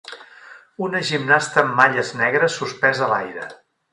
Una gimnasta amb malles negres suspesa a l'aire.